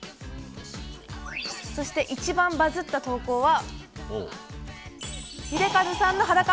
そして、一番バズった投稿は英和さんの裸。